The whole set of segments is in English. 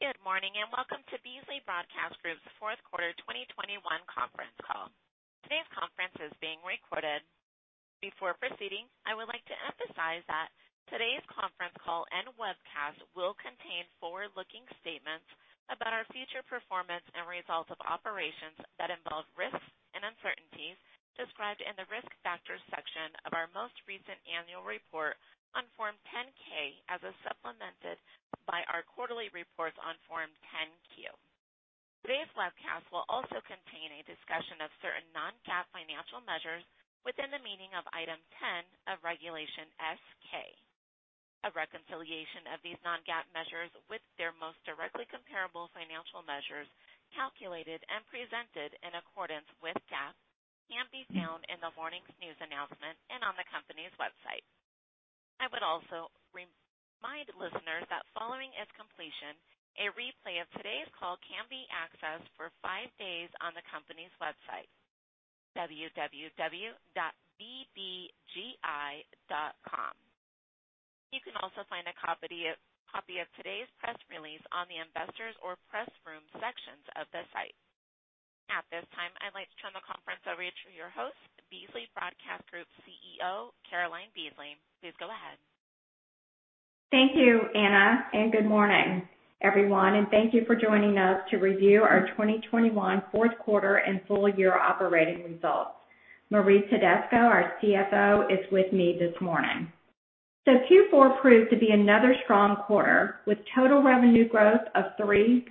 Good morning, and welcome to Beasley Broadcast Group's Fourth Quarter 2021 Conference Call. Today's conference is being recorded. Before proceeding, I would like to emphasize that today's conference call and webcast will contain forward-looking statements about our future performance and results of operations that involve risks and uncertainties described in the Risk Factors section of our most recent annual report on Form 10-K, as well as supplemented by our quarterly reports on Form 10-Q. Today's webcast will also contain a discussion of certain non-GAAP financial measures within the meaning of Item 10 of Regulation S-K. A reconciliation of these non-GAAP measures with their most directly comparable financial measures, calculated and presented in accordance with GAAP, can be found in the morning's news announcement and on the company's website. I would also remind listeners that following its completion, a replay of today's call can be accessed for 5 days on the company's website, www.bbgi.com. You can also find a copy of today's press release on the Investors or Press Room sections of the site. At this time, I'd like to turn the conference over to your host, Beasley Broadcast Group CEO, Caroline Beasley. Please go ahead. Thank you, Anna, and good morning, everyone, and thank you for joining us to review our 2021 fourth quarter and full year operating results. Marie Tedesco, our CFO, is with me this morning. Q4 proved to be another strong quarter, with total revenue growth of 3.3%,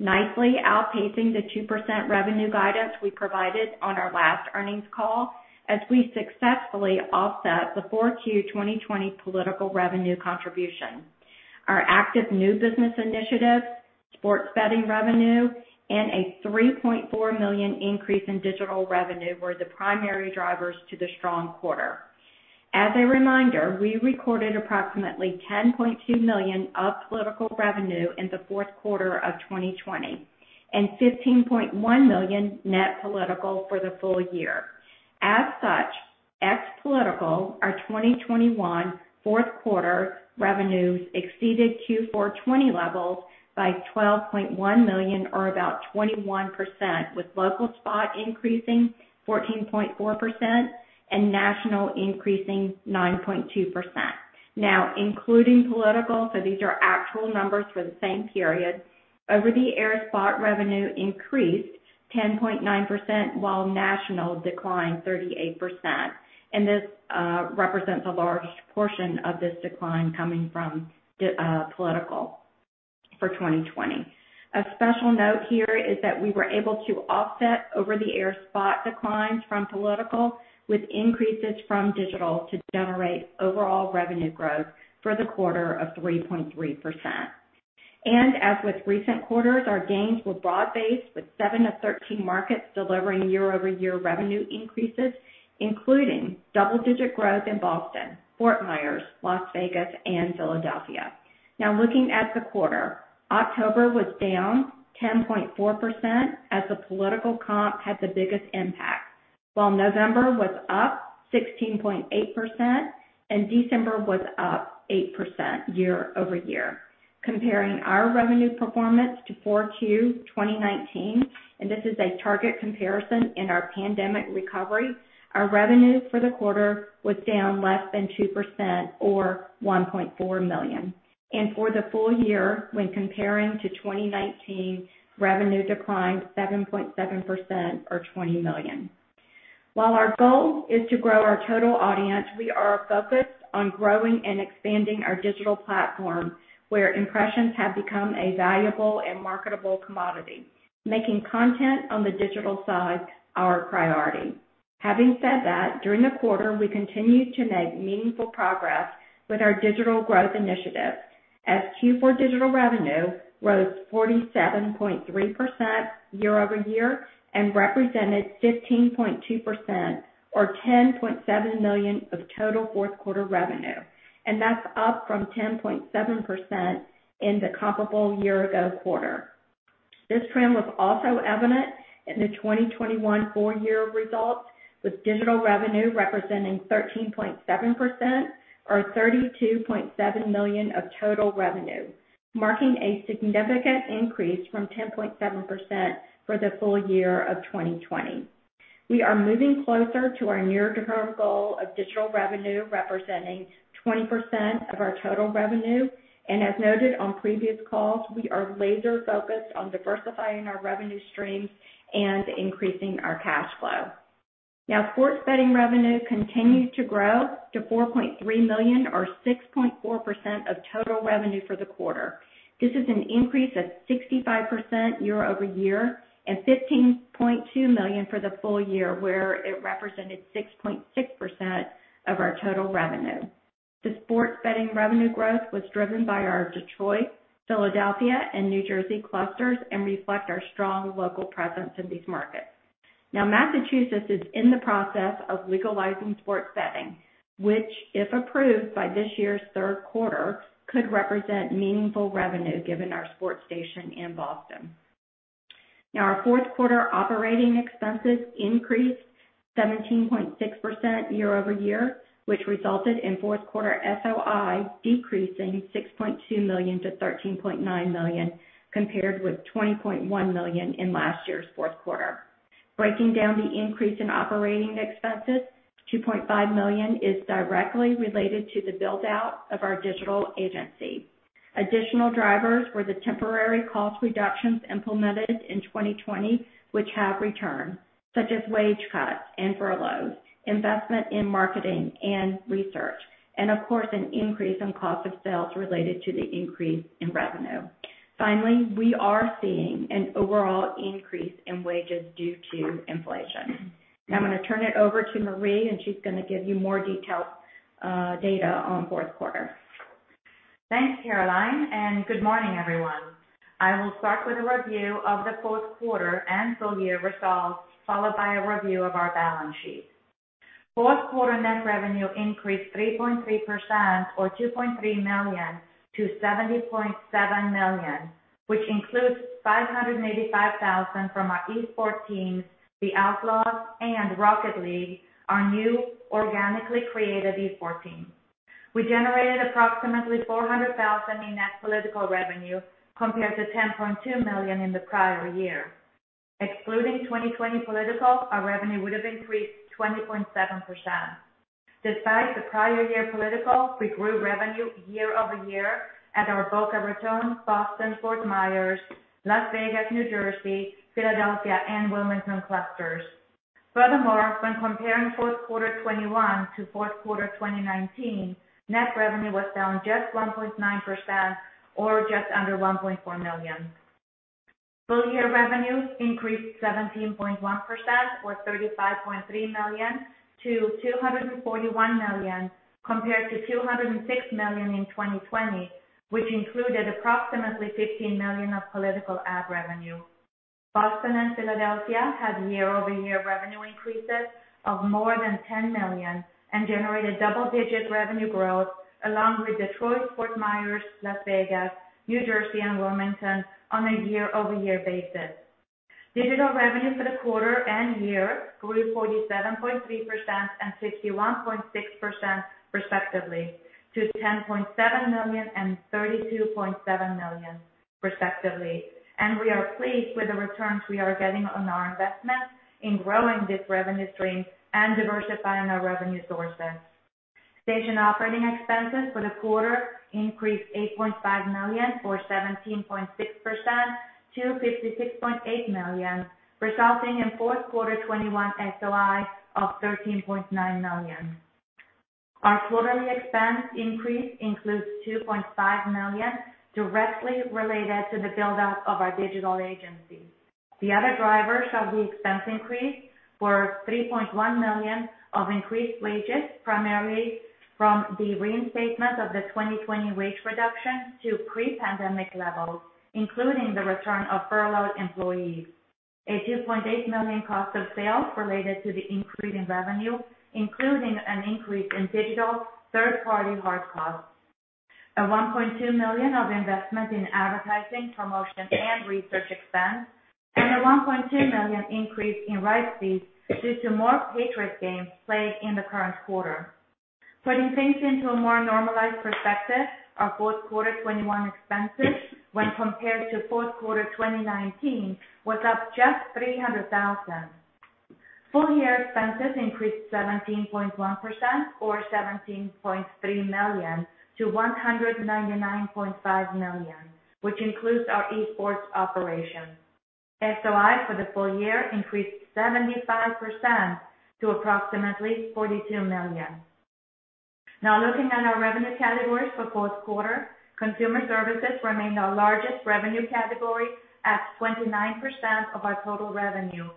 nicely outpacing the 2% revenue guidance we provided on our last earnings call as we successfully offset the Q4 2020 political revenue contribution. Our active new business initiatives, sports betting revenue, and a $3.4 million increase in digital revenue were the primary drivers to the strong quarter. As a reminder, we recorded approximately $10.2 million of political revenue in the fourth quarter of 2020 and $15.1 million net political for the full year. As such, ex-political, our 2021 Q4 revenues exceeded Q4 2020 levels by $12.1 million or about 21%, with local spot increasing 14.4% and national increasing 9.2%. Now, including political, so these are actual numbers for the same period, over-the-air spot revenue increased 10.9%, while national declined 38%. This represents a large portion of this decline coming from political for 2020. A special note here is that we were able to offset over-the-air spot declines from political, with increases from digital to generate overall revenue growth for the quarter of 3.3%. As with recent quarters, our gains were broad-based, with 7 of 13 markets delivering year-over-year revenue increases, including double-digit growth in Boston, Fort Myers, Las Vegas, and Philadelphia. Now looking at the quarter, October was down 10.4% as the political comp had the biggest impact, while November was up 16.8% and December was up 8% year-over-year. Comparing our revenue performance to 4Q 2019, and this is a target comparison in our pandemic recovery, our revenue for the quarter was down less than 2% or $1.4 million. For the full year, when comparing to 2019, revenue declined 7.7% or $20 million. While our goal is to grow our total audience, we are focused on growing and expanding our digital platform, where impressions have become a valuable and marketable commodity, making content on the digital side our priority. Having said that, during the quarter, we continued to make meaningful progress with our digital growth initiative as Q4 digital revenue rose 47.3% year-over-year and represented 15.2% or $10.7 million of total fourth quarter revenue, and that's up from 10.7% in the comparable year ago quarter. This trend was also evident in the 2021 full year results, with digital revenue representing 13.7% or $32.7 million of total revenue, marking a significant increase from 10.7% for the full year of 2020. We are moving closer to our near-term goal of digital revenue representing 20% of our total revenue. As noted on previous calls, we are laser-focused on diversifying our revenue streams and increasing our cash flow. Sports betting revenue continued to grow to $4.3 million or 6.4% of total revenue for the quarter. This is an increase of 65% year-over-year and $15.2 million for the full year where it represented 6.6% of our total revenue. The sports betting revenue growth was driven by our Detroit, Philadelphia, and New Jersey clusters and reflect our strong local presence in these markets. Massachusetts is in the process of legalizing sports betting, which, if approved by this year's third quarter, could represent meaningful revenue given our sports station in Boston. Our fourth quarter operating expenses increased 17.6% year-over-year, which resulted in fourth quarter SOI decreasing $6.2 million to $13.9 million, compared with $20.1 million in last year's fourth quarter. Breaking down the increase in operating expenses, $2.5 million is directly related to the build-out of our digital agency. Additional drivers were the temporary cost reductions implemented in 2020, which have returned, such as wage cuts and furloughs, investment in marketing and research, and of course, an increase in cost of sales related to the increase in revenue. Finally, we are seeing an overall increase in wages due to inflation. Now I'm going to turn it over to Marie, and she's going to give you more detailed data on fourth quarter. Thanks, Caroline, and good morning, everyone. I will start with a review of the fourth quarter and full year results, followed by a review of our balance sheet. Fourth quarter net revenue increased 3.3% or $2.3 million to $70.7 million, which includes $585,000 from our esports teams, Houston Outlaws and AXLE-R8, our new organically created esports team. We generated approximately $400,000 in net political revenue compared to $10.2 million in the prior year. Excluding 2020 political, our revenue would have increased 20.7%. Despite the prior year political, we grew revenue year-over-year at our Boca Raton, Boston, Fort Myers, Las Vegas, New Jersey, Philadelphia, and Wilmington clusters. Furthermore, when comparing fourth quarter 2021 to fourth quarter 2019, net revenue was down just 1.9% or just under $1.4 million. Full year revenue increased 17.1% or $35.3 million to $241 million compared to $206 million in 2020, which included approximately $15 million of political ad revenue. Boston and Philadelphia had year-over-year revenue increases of more than $10 million and generated double-digit revenue growth along with Detroit, Fort Myers, Las Vegas, New Jersey, and Wilmington on a year-over-year basis. Digital revenue for the quarter and year grew 47.3% and 61.6% respectively to $10.7 million and $32.7 million respectively. We are pleased with the returns we are getting on our investment in growing this revenue stream and diversifying our revenue sources. Station operating expenses for the quarter increased $8.5 million or 17.6% to $56.8 million, resulting in fourth quarter 2021 SOI of $13.9 million. Our quarterly expense increase includes $2.5 million directly related to the build-out of our digital agency. The other drivers of the expense increase were $3.1 million of increased wages, primarily from the reinstatement of the 2020 wage reduction to pre-pandemic levels, including the return of furloughed employees. A $2.8 million cost of sales related to the increase in revenue, including an increase in digital third-party hard costs. A $1.2 million of investment in advertising, promotion, and research expense. A $1.2 million increase in rights fees due to more Patriots games played in the current quarter. Putting things into a more normalized perspective, our fourth quarter 2021 expenses when compared to fourth quarter 2019 was up just $300,000. Full-year expenses increased 17.1% or $17.3 million to $199.5 million, which includes our esports operations. SOI for the full year increased 75% to approximately $42 million. Now looking at our revenue categories for fourth quarter, consumer services remained our largest revenue category at 29% of our total revenue.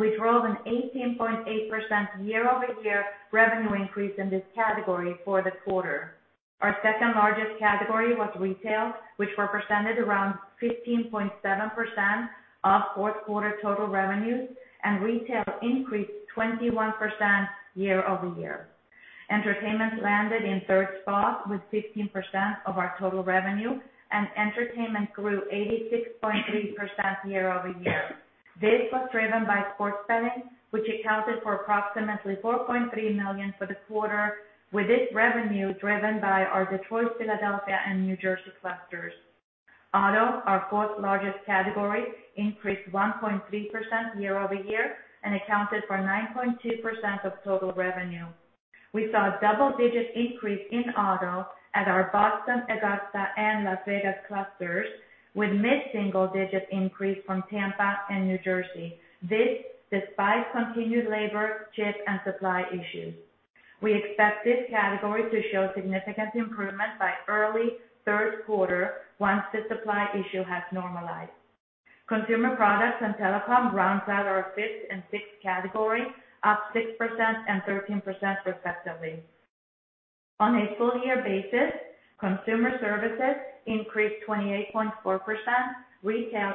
We drove an 18.8% year-over-year revenue increase in this category for the quarter. Our second largest category was retail, which represented around 15.7% of fourth quarter total revenues, and retail increased 21% year-over-year. Entertainment landed in third spot with 16% of our total revenue, and entertainment grew 86.3% year-over-year. This was driven by sports betting, which accounted for approximately $4.3 million for the quarter, with this revenue driven by our Detroit, Philadelphia, and New Jersey clusters. Auto, our fourth largest category, increased 1.3% year-over-year and accounted for 9.2% of total revenue. We saw a double-digit increase in auto at our Boston, Augusta, and Las Vegas clusters, with mid-single digit increase from Tampa and New Jersey. This despite continued labor, chip, and supply issues. We expect this category to show significant improvement by early third quarter once the supply issue has normalized. Consumer products and telecom rounds out our fifth and sixth category, up 6% and 13% respectively. On a full year basis, consumer services increased 28.4%, retail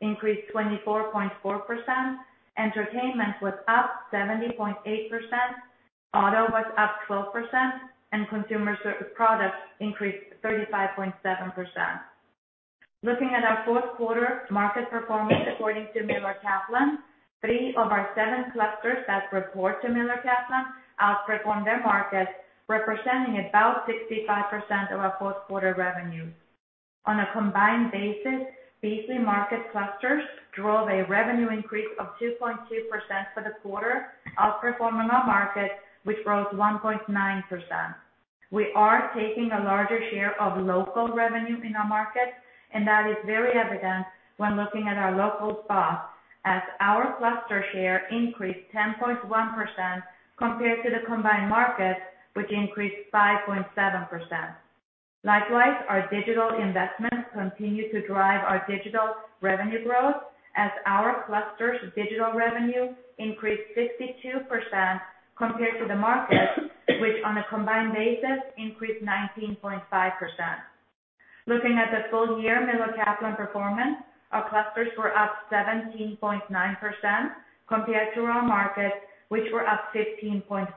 increased 24.4%, entertainment was up 70.8%, auto was up 12%, and consumer products increased 35.7%. Looking at our fourth quarter market performance according to Miller Kaplan, three of our seven clusters that report to Miller Kaplan outperformed their markets, representing about 65% of our fourth quarter revenue. On a combined basis, Beasley market clusters drove a revenue increase of 2.2% for the quarter, outperforming our market, which rose 1.9%. We are taking a larger share of local revenue in our markets, and that is very evident when looking at our local spots as our cluster share increased 10.1% compared to the combined market which increased 5.7%. Likewise, our digital investments continue to drive our digital revenue growth as our cluster's digital revenue increased 62% compared to the market, which on a combined basis increased 19.5%. Looking at the full year Miller Kaplan performance, our clusters were up 17.9% compared to our markets which were up 15.5%.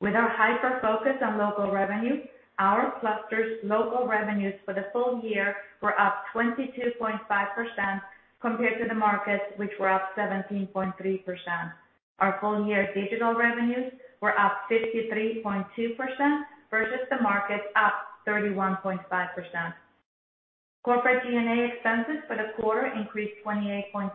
With our hyper focus on local revenue, our clusters local revenues for the full year were up 22.5% compared to the market which were up 17.3%. Our full year digital revenues were up 53.2% versus the market up 31.5%. Corporate G&A expenses for the quarter increased 28.7%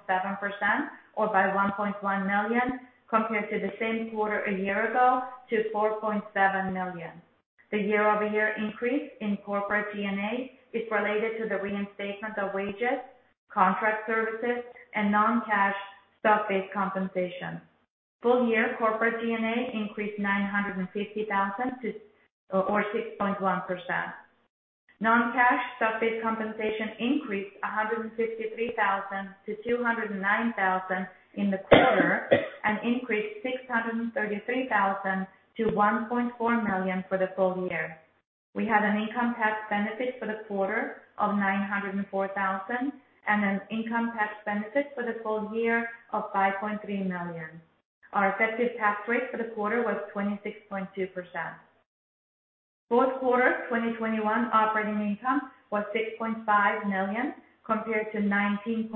or by $1.1 million compared to the same quarter a year ago to $4.7 million. The year-over-year increase in corporate G&A is related to the reinstatement of wages, contract services, and non-cash stock-based compensation. Full-year corporate G&A increased $950,000, or 6.1%. Non-cash stock-based compensation increased $153,000 to $209,000 in the quarter and increased $633,000 to $1.4 million for the full year. We had an income tax benefit for the quarter of $904,000 and an income tax benefit for the full year of $5.3 million. Our effective tax rate for the quarter was 26.2%. Fourth quarter 2021 operating income was $6.5 million compared to $19.6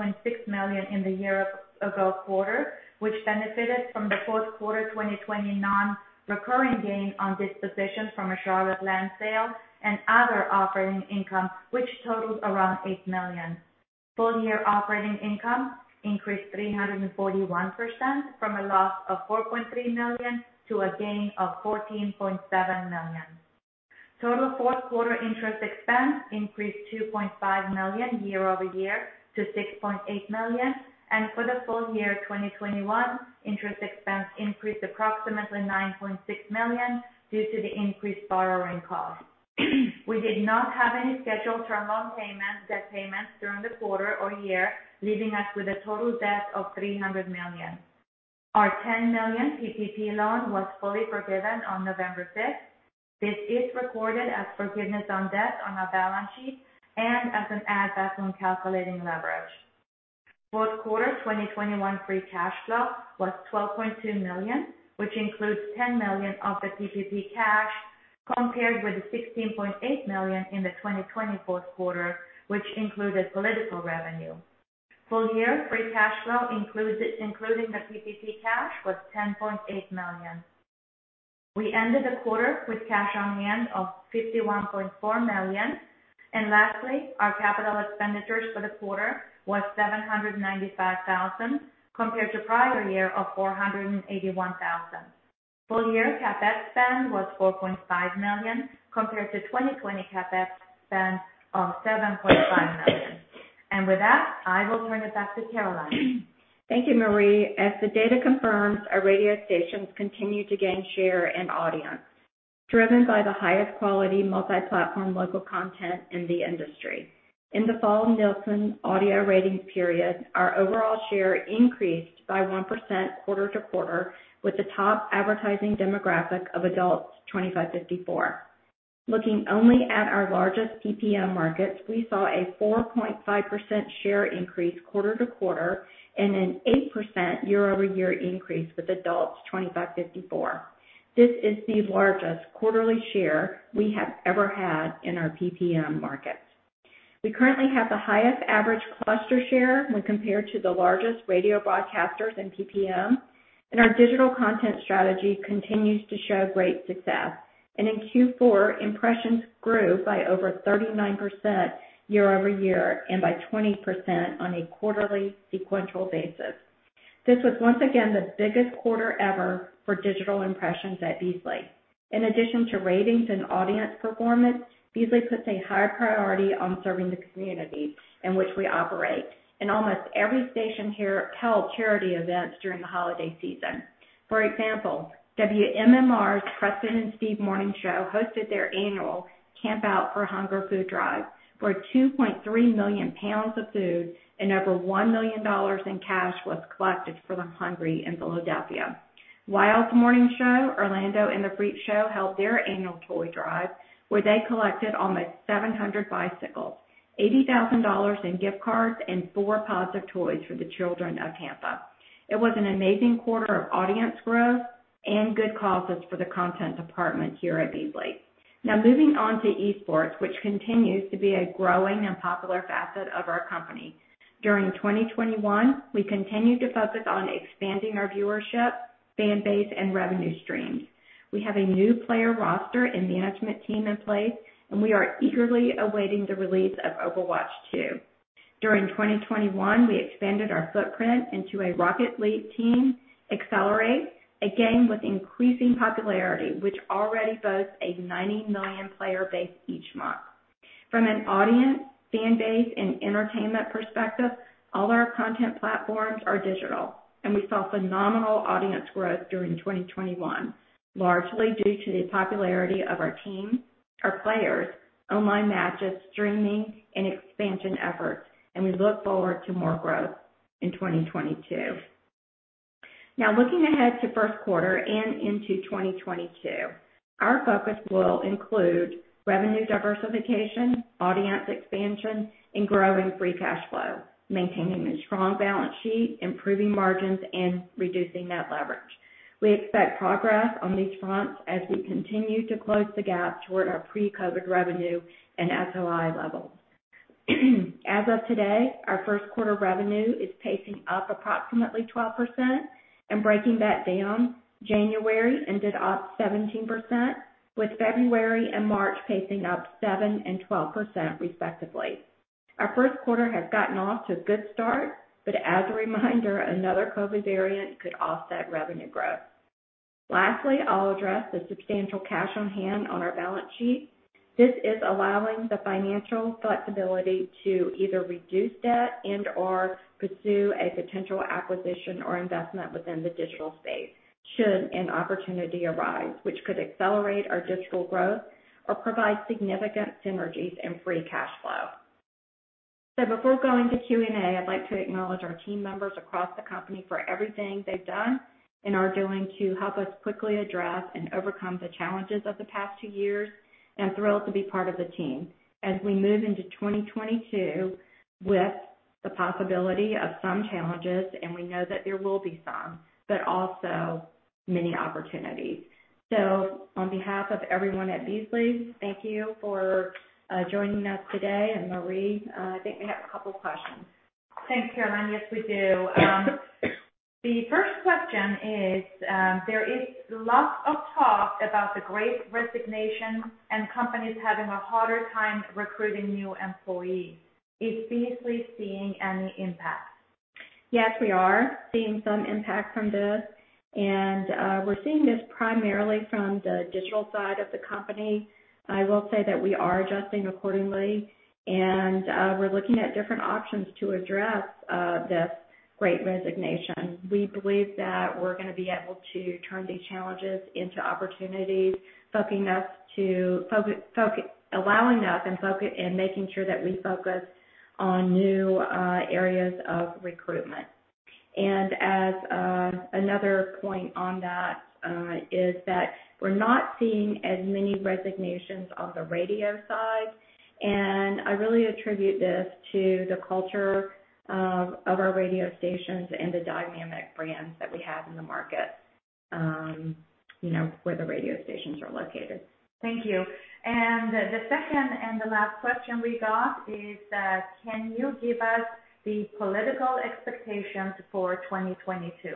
million in the year-ago quarter, which benefited from the fourth quarter 2020 non-recurring gain on disposition from a Charlotte land sale and other operating income which totaled around $8 million. Full year operating income increased 341% from a loss of $4.3 million to a gain of $14.7 million. Total fourth quarter interest expense increased $2.5 million year-over-year to $6.8 million. For the full year 2021, interest expense increased approximately $9.6 million due to the increased borrowing costs. We did not have any scheduled term loan payments, debt payments during the quarter or year, leaving us with a total debt of $300 million. Our $10 million PPP loan was fully forgiven on November 6. This is recorded as forgiveness on debt on our balance sheet and as an add back when calculating leverage. Fourth quarter 2021 free cash flow was $12.2 million, which includes $10 million of the PPP cash, compared with the $16.8 million in the 2020 fourth quarter, which included political revenue. Full year free cash flow, including the PPP cash, was $10.8 million. We ended the quarter with cash on hand of $51.4 million. Lastly, our capital expenditures for the quarter was $795,000 compared to prior year of $481,000. Full year CapEx spend was $4.5 million compared to 2020 CapEx spend of $7.5 million. With that, I will turn it back to Caroline. Thank you, Marie. As the data confirms, our radio stations continue to gain share and audience, driven by the highest quality multi-platform local content in the industry. In the fall Nielsen audio ratings period, our overall share increased by 1% quarter-over-quarter with the top advertising demographic of adults 25-54. Looking only at our largest PPM markets, we saw a 4.5% share increase quarter-over-quarter and an 8% year-over-year increase with adults 25/54. This is the largest quarterly share we have ever had in our PPM markets. We currently have the highest average cluster share when compared to the largest radio broadcasters in PPM, and our digital content strategy continues to show great success. In Q4, impressions grew by over 39% year-over-year and by 20% on a quarterly sequential basis. This was once again the biggest quarter ever for digital impressions at Beasley. In addition to ratings and audience performance, Beasley puts a high priority on serving the community in which we operate, and almost every station here held charity events during the holiday season. For example, WMMR's Preston and Steve Morning Show hosted their annual Campout for Hunger Food Drive, where 2.3 million pounds of food and over $1 million in cash was collected for the hungry in Philadelphia. WiLD Morning Show, Orlando & The Freakshow, held their annual toy drive, where they collected almost 700 bicycles, $80,000 in gift cards, and four pods of toys for the children of Tampa. It was an amazing quarter of audience growth and good causes for the content department here at Beasley. Now moving on to esports, which continues to be a growing and popular facet of our company. During 2021, we continued to focus on expanding our viewership, fan base, and revenue streams. We have a new player roster and management team in place, and we are eagerly awaiting the release of Overwatch 2. During 2021, we expanded our footprint into a Rocket League team, AXLE-R8, a game with increasing popularity which already boasts a 90 million player base each month. From an audience, fan base, and entertainment perspective, all our content platforms are digital, and we saw phenomenal audience growth during 2021, largely due to the popularity of our teams, our players, online matches, streaming, and expansion efforts. We look forward to more growth in 2022. Now looking ahead to first quarter and into 2022, our focus will include revenue diversification, audience expansion, and growing free cash flow, maintaining a strong balance sheet, improving margins, and reducing net leverage. We expect progress on these fronts as we continue to close the gap toward our pre-COVID revenue and SOI levels. As of today, our first quarter revenue is pacing up approximately 12%. Breaking that down, January ended up 17%, with February and March pacing up 7% and 12% respectively. Our first quarter has gotten off to a good start, but as a reminder, another COVID variant could offset revenue growth. Lastly, I'll address the substantial cash on hand on our balance sheet. This is allowing the financial flexibility to either reduce debt and/or pursue a potential acquisition or investment within the digital space should an opportunity arise which could accelerate our digital growth or provide significant synergies and free cash flow. Before going to Q&A, I'd like to acknowledge our team members across the company for everything they've done and are doing to help us quickly address and overcome the challenges of the past 2 years, and I'm thrilled to be part of the team as we move into 2022 with the possibility of some challenges, and we know that there will be some, but also many opportunities. On behalf of everyone at Beasley, thank you for joining us today. Marie, I think we have a couple questions. Thanks, Caroline. Yes, we do. The first question is, there is lots of talk about the Great Resignation and companies having a harder time recruiting new employees. Is Beasley seeing any impact? Yes, we are seeing some impact from this. We're seeing this primarily from the digital side of the company. I will say that we are adjusting accordingly, and we're looking at different options to address this great resignation. We believe that we're gonna be able to turn these challenges into opportunities, allowing us and making sure that we focus on new areas of recruitment. As another point on that, is that we're not seeing as many resignations on the radio side, and I really attribute this to the culture of our radio stations and the dynamic brands that we have in the market, you know, where the radio stations are located. Thank you. The second and the last question we got is, can you give us the political expectations for 2022?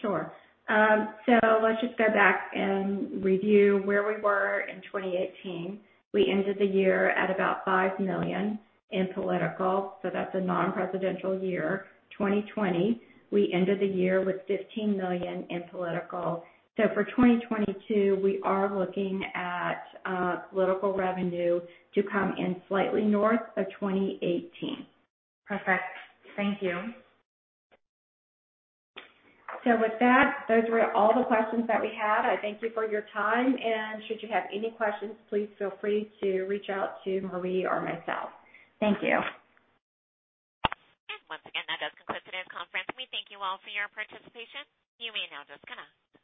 Sure. Let's just go back and review where we were in 2018. We ended the year at about $5 million in political, so that's a non-presidential year. 2020, we ended the year with $15 million in political. For 2022, we are looking at political revenue to come in slightly north of 2018. Perfect. Thank you. With that, those were all the questions that we had. I thank you for your time, and should you have any questions, please feel free to reach out to Marie or myself. Thank you. Once again, that does conclude today's conference. We thank you all for your participation. You may now disconnect.